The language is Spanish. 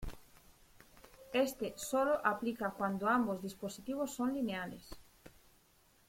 Este sólo aplica cuando ambos dispositivos son lineales.